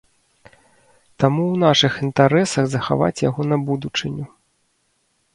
Таму ў нашых інтарэсах захаваць яго на будучыню.